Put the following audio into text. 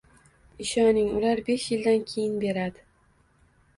Ishoning, ular besh yildan keyin beradi.